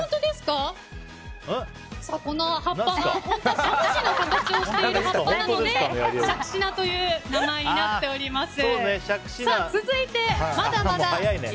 この葉っぱが杓子の形をしている葉っぱなのでしゃくしなという名前になっております。